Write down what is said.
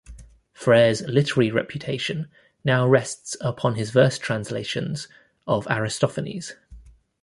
Frere's literary reputation now rests upon his verse translations of Aristophanes.